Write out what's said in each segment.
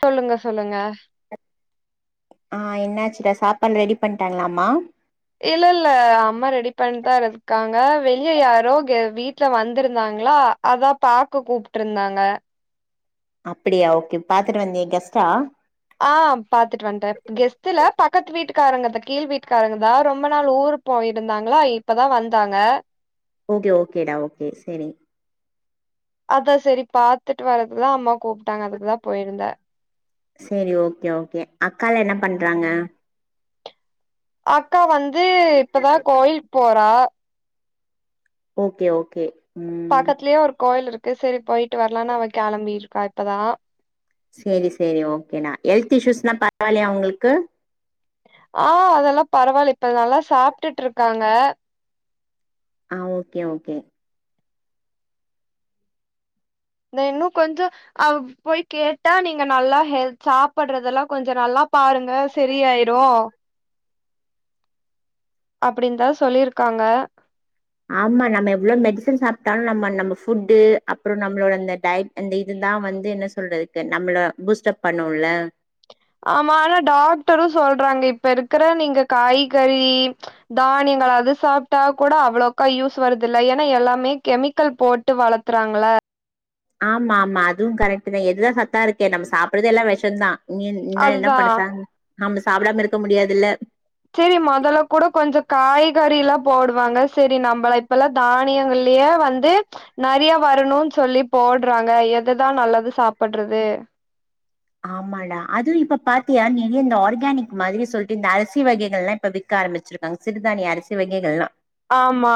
சொல்லுங்க சொல்லுங்க ஆஹ் என்னாசுடா சாப்பாடு ரெடி பண்ணிட்டாங்களாமா இல்ல இல்ல அம்மா ரெடி பண்ட்டாஇருக்காங்க வெளிய யாரோ கே வீட்ல வந்துருந்தாங்களா அதா பாக்க கூப்ட்டுருந்தாங்க அப்டியா ஓகே பாத்துட்டு வந்தியா கெஸ்ட்டா ஆஹ் பாத்துட்டு வன்ட்டே கெஸ்ட்டுல பக்கத்து வீட்டுக் காரங்க த கீழ் வீட்காரங்கதா ரொம்ப நாள் ஊருக்கு போயிருந்தாங்களா இப்பதா வந்தாங்க ஓகே ஓகேடா ஓகே செரி அதா செரி பாத்துட்டு வரகுதா அம்மா கூப்டாங்க அதுக்குதா போயிருந்தே செரி ஓகே ஓகே அக்காலா என்ன பண்றாங்க அக்கா வந் து இப்பதா கோயில் போறா ஓகே ஓகே ம் பக்கத்லியே ஒரு கோயில் இருக் செரி போயிட்டு வரலானு அவ கிளம்பிருக்கா இப்பதா சேரி சேரி ஓகேணா ஹெல்த் இஷ்யூஸ்லா பரவால்லியா உங்களுக்கு ஆஹ் அதெலா பரவால்ல இப்ப நல்லா சாப்டுட்டு இருக்காங்க ஆஹ் ஓகே ஓகே நா இன்னு கொஞ்சொ அவ் போய் கேட்டா நீங்க நல்லா ஹெல் சாப்றதெல்லா‌ கொஞ்சொ நல்லா பாருங் க சரியாயிரு அப்டின்தா சொல்லிருகாங்க ஆமா நம்ம எவ்ளொ மெடிசன் சாப்டாலு நம்ம நம்ம ஃபுட்டு அப்றொ நம்ளோட இந்த டயட் இந்த இதுதா வந்து என்ன சொல்றக்கு நம்ள பூஸ்ட்அப் பண்ணுல ஆமா ஆனா டாக்டரு சொல்றாங்க இப்ப இருக்கற நீங்க காய்கறி தானியங்கள் அது சாப்டா கூட அவ்ளோக்கா யூஸ் வருதுல்ல ஏன்னா எல்லாமே கெமிக்கல் போட்டு வளத்துறாங்கள்ள ஆமா ஆமா அதுவு கரெக்ட்தா எதுதா சத்தா இருக்கு நம்ம சாப்றது எல்லா வெஷந்தா நீ என் என்ன அதுதா படுச நம்ம சாப்டாம இருக்க முடியாதுல செரி மொதல கூட கொஞ்சொ காய்கறிலா போடுவாங்க செரி நம்மள இப்பலா தானியங்கிள்ளயே வந்து நெறயா வரணுனு சொல்லி போட்றாங்க எதுதா நல்லது சாப்புட்றுது ஆமாடா அது இப்ப பாத்தியா நீ இந்த ஆர்கானிக் மாரி சொல்ட்டு இந்த அரிசி வகைகள் எல்லா இப்ப விக்க ஆரம்பிச்சிருக்காங்க சிறுதானிய அரிசி வகைகள் எல்லா ஆமா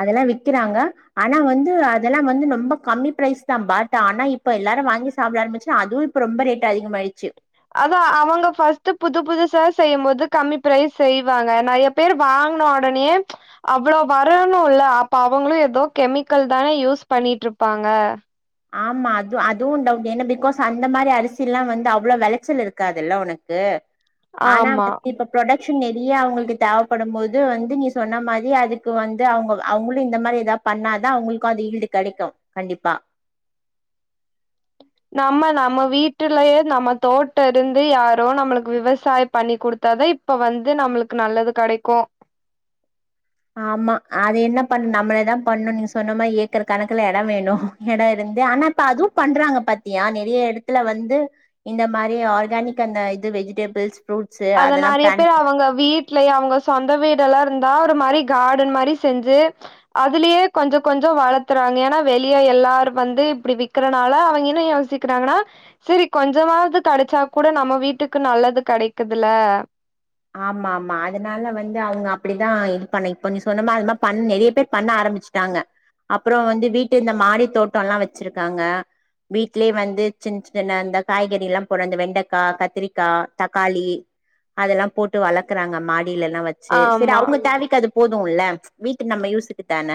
அதெல்லா விக்கிறாங்க ஆனா வந்து அதெல்லா வந்து நொம்ப கம்மி பிரைஸ் தா பட் ஆனா இப்ப எல்லாரு வாங்கி சாப்பிட ஆரம்பிச்சு அதுவு இப் இப்ப ரொம்ப ரேட் அதிகமாய்ச்சு அதா அவங்க ஃபர்ஸ்ட்டு புது புதுசா செய்யும் போது கம்மி ஃபிரைஸ் செய்வாங்க நெறைய பேர் வாங்ன உடனேயே ச் அவ்ளோ வரனு இல்ல அப்ப அவங்களு ஏதோ கெமிக்கல் தான யூஸ் பண்ணிட்டிருப்பாங்க ஆமா அது அதுவு டவுட் ஏன்னா பிகாஸ் அந்த மாரி அரிசி எல்லா வந்து அவ்ளோ வெளச்சல் இருக்காதுல்ல உனக்கு ஆனா ஆமா வந்து இப்ப ப்ரொடக் ஷன் நிறைய அவுங்களுக்கு தேவப்படும் போது வந்து நீ சொன்ன மாரி அதுக்கு வந்து அவுங்க அவுங்களு இந்த மாரி ஏதா பண்ணாதா அவுங்களுக்கு அது ஈல்டு கெடைக்கு கண்டிப்பா நம்ம நம்ம வீட்டுலயே நம்ம தோட்ட இருந்து யாரோ நம்மளுக்கு விவசாய பண்ணி குடுத்தாதா இப்ப வந்து நம்மளுக்கு நல்லது கெடைக்கு ஆமா அது என்ன பண் நம்மளேதா பண்ணு நீங்க சொன்ன மாரி ஏக்கர் கணக்குல எடம் வேணு எட இருந்து ஆனா இப்ப அதுவு பண்றாங்க பாத்தியா நிறைய இடத்துல வந்து இந்த மாரி ஆர்கானிக் அந்த இது வெஜிடேபிள்ஸ் அத நெறைய பேர் அவங்க வீட்லயே அவங்க சொந்த வீடெல்லா இருந்தா ஒரு மாரி கார்டன் மாரி செஞ்சு அதுலயே கொஞ்சோ கொஞ்சோ வளத்துறாங்க ஏன்னா வெளிய எல்லாரு வந்து இப்டி விக்கறனால அவங்க இன்னு யோசிக்கிறாங்கன்னா சரி கொஞ்சமாவது கெடைச்சா கூட நம்ம வீட்டுக்கு நல்லது கெடைக் குதுல்ல ஆமா ஆமா அதுனால வந்து அவுங்க அப்டிதான் இது பண்ணிப இப்ப நீ சொன்னமாரி அது மா பண் நெறைய பேர் பண்ண ஆரம்பிச்சுட்டாங்க அப்புறோ வந்து வீட்டு இந்த மாடி தோட்டோல்லா வச்சிருக்காங்க வீட்லே வந்து சின்சின்னதா அந்த காய்கறி எல்லாம் போடுற இந்த வெண்டைக்கா கத்திரிக்கா தக்காளி அதெல்லாம் போட்டு வளக்குறாங்க மா டிலேலா வச்சு சரி ஆமா அவுங்க தேவைக்கு அது போது துல்ல வீட்டு நம்ம யூசுக்கு தான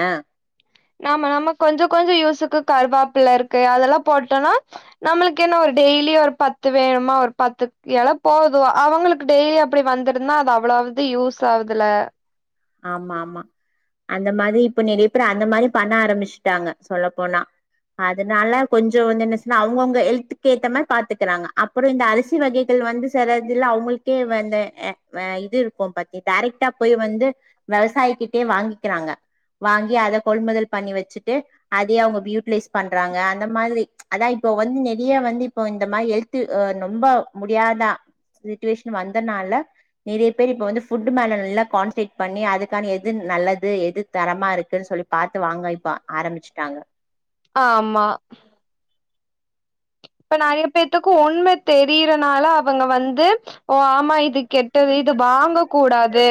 நாம நமக் கொஞ்சோ கொஞ்சோ யூஸுக்கு கருவாப்பல இருக்கு அதெல்லா போட்டோன்னா நம்ளுக்கு என்ன ஒரு டெய்லி ஒரு பத்து வேணுமா ஒரு பத்து எல போதூ அவங்ளுக்கு டெய்லி அப்டி வந்திருந்தா அது அவ்ளாவ்து யூஸ் ஆவுதுல ஆமா ஆமா அந்த மாரி இப்ப நெறைய பேரு அந்த மாரி பண்ண ஆரம்பிச்ட்டாங்க சொல்லப்போனா அதனால கொஞ்ச வந்து என்ன சொன்னா அவங்கவுங்க ஹெல்துக்கு ஏத்த மாரி பாத்துக்கறாங்க அப்பறோ இந்த அரிசி வகைகள் வந்து செரதுல்ல அவங்ளுக்கே வந்து இது இருக்கூ பாத்தி டைரெக்ட்டா போய் வந்து வெவசாயிக்கிட்டேயே வாங்கிக்கிறாங்க வாங்கி அத கொள்முதல் பண்ணி வச்சுட்டு அதையே அவுங்க பியூட்டிலைஸ் பண்றாங்க அந்த மாதிரி அதா இப்ப வந்து நெறைய வந்து இப்ப இந்த மாரி ஹெல்த்து நொம்ப முடியாத சுட்டிவேஷன் வந்தனால நெறைய பேர் இப்ப வந்து ஃபுட்டு மேல நல்ல கான்ஸ்ரேட் பண்ணி அதுக்கான எது நல்லது எது தரமா இருக்குன் சொல்லி பாத்து வாங்கவய்ப்ப ஆரம்பிச்சுட்டாங்க ஆமா இப்ப நெறைய பேத்துக்கு உண்ம தெரியறனால அவங்க வந்து ஓ ஆமா இதுக் கெட்டது இது வாங்க கூடாது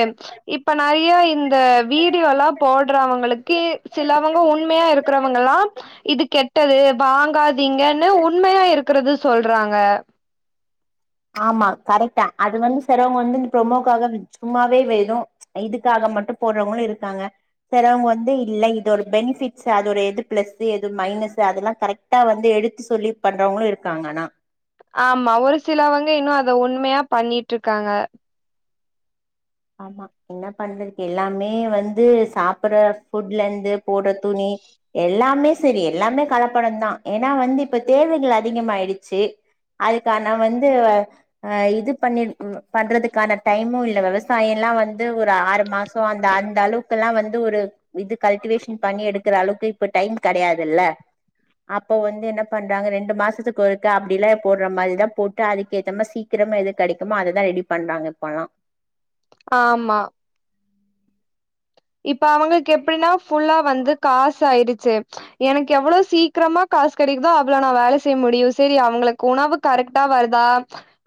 இப்ப நெறைய த வீடியோலா போட்றவங்களுக்கி சிலவங்க உண்மையா இருக்கிறவங்கல்லா இது கெட்டது வாங்காதீங்கன்னு உண் ண்மையா இருக்கிறது சொல்றாங்க ஆமா கரெக்ட் தா அது வந்து செரவங்க வந்து இந்த ப்ரொமோக்காக சும்மாவே வெதும் இதுக்காக மட்டூ போட்றவங்களூ இருக்காங்க செறவங்க வந்து இல்ல இது ஒரு பெனிஃபிட்ஸ் அது ஒரு எது பிளஸ்ஸு எது மைனஸ்ஸு அதெல்லா கரெக்டா வந்து எடுத்து சொல்லி பண்றவங்களூ இருக்காங்க ஆனா ஆமா ஒரு சிலவங்க இன்னூ அத உண்மையா பண்ணிட்ருக்காங்க ஆமா என்ன பண்றது எல்லாமே வந்து சாப்புட்ற ஃபுட்லேந்து போடுற துணி எல்லாமே செரி எல்லாமே கலப்படந்தா ஏனா வந்து இப்ப தேவைகள் அதிகமாயிடுச்சு அதுக்கான வந்து ஆ இது பண்ணி பண்றதுக்கான டைமூ இல்ல வெவஸ் சாயல்லா வந் து ஒரு ஆறு மாசோ அந்த அந்த அளவுக்கெல்லா வந் து ஒரு இது கல்டிவேஷன் பண்ணி எடுக்றளவுக்கு இப்ப டைம் கெடையாதுல்ல அப்ப வந்து என்ன பண்றாங்க ரெண்டு மாசத்துக்கொருக்கா அப்டில்லே போடுற மாரிதா போட்டு அதுக்கு ஏத்தமா சீக்கிரமா எது கெடைக்குமோ அததா ரெடி பண்றாங்க இப்பல்லா ஆமா இப்ப அவங்ளுக்கு எப்டின்னா ஃபுல்லா வந்து காசு ஆயிடுச்சு எனக்கு எவ்ளோ சீக்கிரமா காசு கெடைக்குதோ அவ்ளோ நா வேல செய்ய முடியூ செரி அவங்ளுக்கு உணவு கரெக்டா வருதா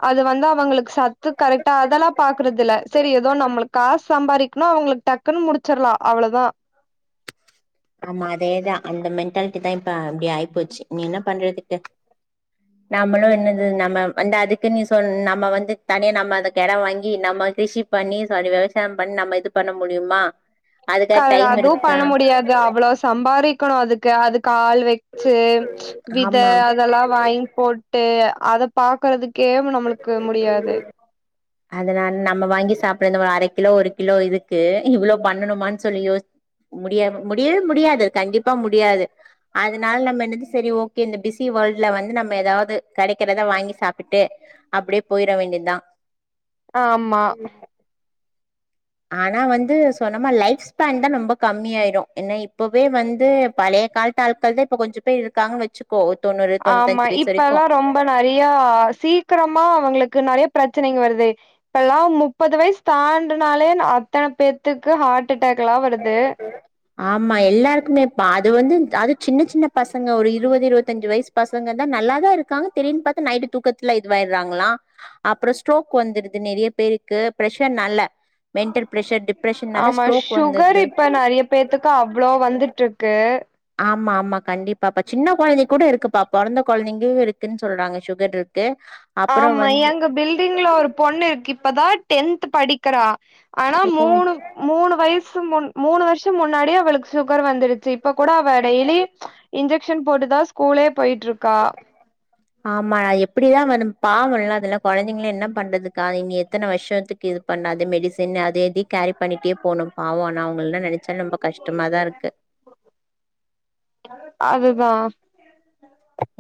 அது வந்து அவங்ளுக்கு சத்து கரெக்டா அதெல்லா பாக்கறதுல்ல செரி ஏதோ நம்ளுக்கு காசு சம்பாரிக்கணு அவங்ளுக்கு டக்குன்னு முடிச் சர்லா அவ்ளதா ஆமா அதேதா அந்த மென்டாலிட்டி தா இப்ப அப்டி ஆயிப்போச்சு இனி என்ன பண்றதுக்கு நம்மளூ என்னது நம்ம வந்து அதுக்குன் நீ சொன் நம்ம வந்து தனியா நம்ம அதுக்கெடோ வாங்கி நம்ம திஷி பண்ணி சாரி விவசாயோ பண் நம்ம இது பண்ண முடியுமா அதுக்காக க்காக டைம் அதுவூ இருக்கா பண்ண முடியாது அவ்ளோ ஸ் சம்பாரிக்கணூ அதுக்கு அதுக் கால் வச்சு வித ஆமா அதெல்லா வாங் போட்டு அத பாக்கறதுக் கே மு நம்மளுக்கு முடியாது அதனால நம்ம வாங்கி சாப்ப அரை கிலோ ஒரு கிலோ இருக்கு இவ்ளோ பண்ணணும்மா சொல் யோச முடியவே முடியாது கண்டிப்பா முடியாது அதனால நம்ம என் சரி ஓகே இந்த பிஸி வேல்ட்ல வந்து நம்ம ஏதாவது கடைக்கிறத வாங்கி சாப்டுட்டு அப்பிடியே போயிட வேண்டியது தான் ஆ் ஆமா ஆனா வந்து சொன்னமா லைஃப் ஸ்பேன் தான் ரொம்ப கம்மியாயிடும் ஏன்னா இப்பவே வந்து பழைய கால்ஆட்கள் தான் இப்ப கொஞ்சம் பேர் இருக்காங்கன்னு வச்சுக்கோ தொண்ணூறு ஆமா தொண்ணூத்தஞ்சு வயசு வரைக்கு இப்பல்லாம் ரொம்ப நறையா சீ க்கறமா அவுங்களுக்கு நறைய பிரச்சனைங்க வருது இப்பல்லாம் முப்பது வயசு தாண்டனாலே அத்தனை பேத்துக்கு ஹா ஆமா எல்லாருக்குமேப்பா அது வந்து அது சின்ன சின்ன பசங்க ஒரு இருவது இருவத்திஞ்சு வயசு பசங்க தான் நல்லா ல்லா இருக்காங்க திடின்னு பாத்த நைட்டு தூக்கத்துல இதுவாயறாங்களா அப்புறம் ஸ்ட்ரோக் வந்துருது நெறைய பேருக்கு பிரஷர் நல்ல மென்டல் பிரெஷர் டிப்ரெஷன்னால ஆமா ஸ்ட்டோ சுகர் இப்போ நறைய பேத்துக்கு அவ்ளோ வந்துட்டுருக்கு ஆமா ஆமா கண்டிப்பாப்பா சின்ன கொழந்தை கூட இருக்குப்பா பொறந்த கொழந்தைங்கும் இருக்குன்னு சொல்றாங்க சுகர் இருக்கு அப்புறோ ஆமா வந்து எங்க பில்டிங்கல ஒரு பொண்ணு இருக்கு இப்பதான் டென்த் படிக்கிறா ஆனா ஓ மூணு மூணு வயசு முன் மூணு வருஷ முன்னாடியே அவளுக்கு சுகர் வந்துருச்சு இப்ப கூட அவ டெய்லி இன்ஜெக்ஷன் போட்டுதா ஸ்கூலே போயிட்ருக்கா படிதா வரு பாவல்லா அதெல்லா கொழந்தைங்கள என்ன பண்றதுக்கா இனி எத்தன வருஷத்துக்கு இது பண்ணது மெடிசின் அத இதை கேரி பண்ணிட்டே போகணு பாவ ஆனா அவங்கல்லா நெனை ச்சா ரொம்ப கஷ்டமாதா இருக்கு அதுதா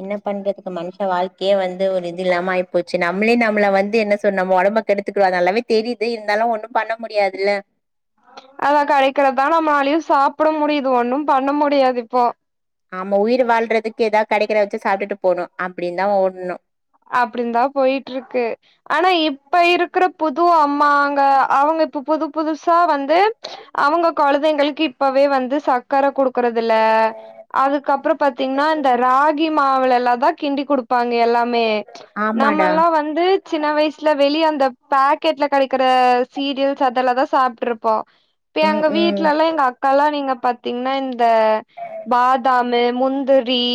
என்ன பண்றதுக்கு மனுஷ வாழ்க்கையே வந்து ஒரு இது இல்லாம ஆயிப்போச்சு நம்மளே நம்மள வந்து என்ன சொ நம்ம ஒடம்ப கெடுத்துக்கோ அது நல்லாவே தெரியுது இருந்தாலு ஒண்ணு பண்ண முடியாதுல்ல அதா கெடைக்கறதா நம்மனாலயு சாப்பட முடியுது ஒண்ணும் பண்ண முடியாது இப்போ ஆமா உயிர் வாழ்றதுக்கு எதா கெடைக்கறத வெச்சு சாப்ட்டுட்டு போணு அப்டின்தா ஓடணு அப்படின்தா போயிட்ருக்கு ஆனா இப்ப இருக்கற புது அம்மாங்க அவங்க இப்ப புது புது சா வந்து அவங்க கொழந்தைங்களுக்கு இப்பவே வந்து சக்கரை குடு க்கறதில்ல அதுக்கப்பற பாத்திங்னா இந்த ராகி மாவுல எல்லாந்தா கிண்டி குடுப்பாங்க எல் மே ஆமாடா நம்மல்லா வந்து சின்ன வயசுல வெளிய அந்த பாக்கெட்ல கெடைக்கற சீரியல்ஸ் அதெல்லாதா சாப்ட்ருப்போ இப்ப ம் எங்க ம் வீட்ல எல்லா எங்க அக்காலா நீங்க பாத்தீங்னா இந்த பாதாமு முந்திரி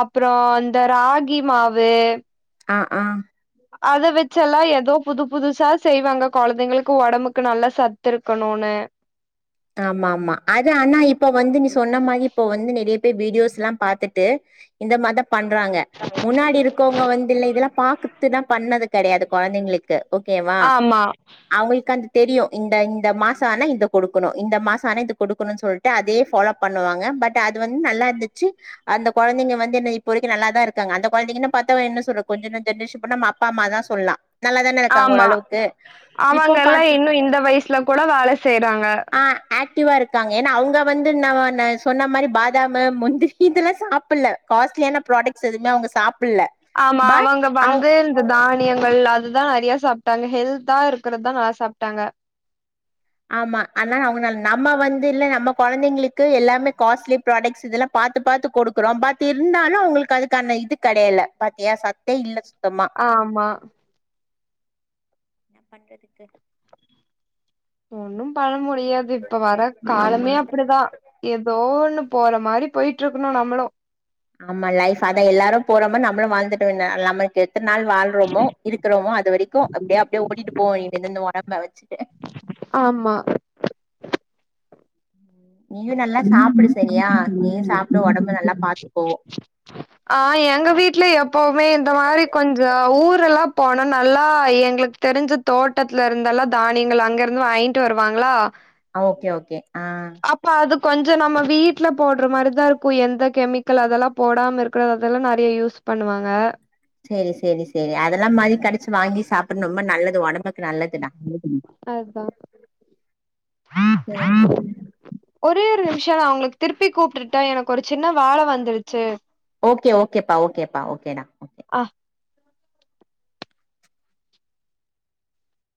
அப்றோ இந்த ராகி மாவு ஆ ஆ அத வச்செல்லா ஏதோ புது புதுசா செய்வாங்க கொழந்தைங்களுக்கு ஒடம்புக்கு நல்லா சத்து இருக்கணூன்னு ஆமா ஆமா அது ஆனா இப்ப வந்து நீ சொன்ன மாரி இப்ப வந்து நிறைய பேர் வீடியோஸ்லா பாத்துட்டு இந்த மாரிதா பண்றாங்க முன்னாடி இருக்கோவுங்க வந்து இல்ல இதெல்லாப் பாக்குத்துதா பண்ணது கெடையாது கொழந்தைங்களுக்கு ஓகேவா ஆமா அவங்ளுக்கு அந் தெரியூ இந்த இந்த மாசோ ஆனா இத குடுக் குணூ இந்த மாசோ ஆனா இது குடுக்கணூனு சொல்லிட்டு அதே ஃபாலோ பண்ணுவாங்க பட் அது வந்து நல்லாருந்துச்சு அந்த கொழந்தைங்க வந்து இப்போ வரைக்கூ நல்லாதா இருக்காங்க அந்த கொழந்தைங்கன்ன பாத்த என்ன சொல்ற கொஞ்சோ நஞ்சோ டிஷ் பண்ண நம்ம அப்பாம்மா தா சொல்லா நல்லாதான இருக்காங்க ஆமா ஓரளவுக்கு இப்போ அவங்கெல்லா பாத் இன்னூ இந்த வயசுல கூட வேல செய்றாங்க ஆ ஆக்டிவா இருக்காங்க ஏனா அவுங்க வந்து ந நா சொன்ன மாரி பாதாமு முந்திரி இதெல்லா சாப்டல காஸ்லியான ப்ராடக்ட்ஸ் எதூமே அவுங்க சாப் ஆமா அவங்க வந்து இந்த தானியங்கள் அத் துதா நறைய சாப்ட்டாங்க ஹெல்தா இருக்கிறதுதா நல்லா சாப்ட்டாங்க ஆமா அத்னால் அவங்க நல் நம்ம வந்து இல்ல நம்ம கொழந்தைங்களுக்கு எல்லாமே காஸ்ட்லி ப்ராடக்ட்ஸ் இதெலா பாத்து பாத்து கொடுக்குறோ பட் இருந்தாலு அவங்களுக்கு அதுக்கான இது கெடையல பாத்தியா சத்தே இல்ல சுத்தமா ஆமா என்ன பண்றதுக்கு ஒன்னும் பண முடியாது இப்ப வர ஆமா காலமே அப்பிடிதா ஏதோன்னு போற மாரி போய்ட்ருக்கணு நம்மளு ஆமா லைஃப் அதா எல்லாரு போற மார் நம்மளு வாழ்ந்துக்கவே எல்லாமே செ எத்தன் நாள் வாழ்றோமோ இருக்கறோமோ அது வரைக்கு அப்டியே அப்டியே ஓடிட்டு போகவேண்டியது இந்த ஒல நா வெச்சி ஆமா நீயு நல்லா சாப்புடு சரியா நீயு சாப்டு ஒடம்ப நல்லா பாத்துக்கோ ஆ எங்க வீட்ல எப்பவுமே இந்த மாரி கொஞ்ச ஊர் எல்லா போனா நல்லா எங்ளுக்கு தெரிஞ்ச தோட்டத்துல இருந்தெலா தானியங்கள் அங்கருந்து வாங்கிட்டு வருவாங்ளா அ ஓகே ஓகே ஆ அப்ப அது கொஞ்ச நம்ம வீட்ல போடற மாரிதா இருக்கு எந்த கெமிக்கல் அதெலா போடாம இருக்கறதெல்லா நறையா யூஸ் பண்ணுவாங்க செரி செரி செரி அதெலா மறுடி கெடைச்சு வாங்கி சாப் டு ரொம்ப நல்லது ஒடம்புக் அதா ஒரே ஒரு நிமிஷ நா உங்ளுக்கு திருப்பி கூப்புட்ர்டா எனக்கு ஒரு சின்ன வேல வந்திருச்சு ஓகே ஓகேப்பா ஓகேப்பா ஓகேடா ஓகே ஆ